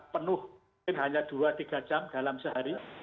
penuh mungkin hanya dua tiga jam dalam sehari